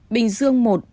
bình dương một